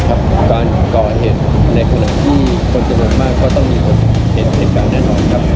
การก่อเหตุในกรณะที่คนเจริญมากก็ต้องมีคนเห็นการแน่นอนครับ